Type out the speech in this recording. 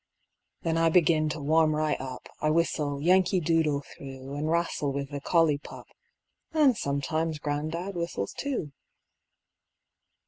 Then I begin to warm right up, I whistle "Yankee Doodle" through, An' wrastle with the collie pup And sometimes gran'dad whistles too.